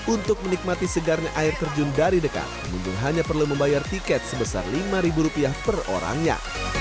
untuk menikmati segarnya air terjun dari dekat pengunjung hanya perlu membayar tiket sebesar lima rupiah per orangnya